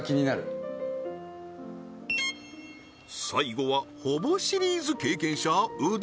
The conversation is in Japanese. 最後はほぼシリーズ経験者右團